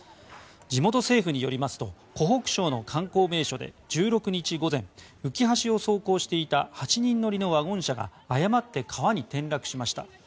地元政府によりますと湖北省の観光名所で１６日午前浮き橋を走行していた８人乗りのワゴン車が誤って川に転落しました。